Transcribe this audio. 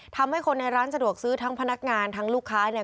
ทำให้คนในร้านสะดวกซื้อทั้งพนักงานทั้งลูกค้าเนี่ย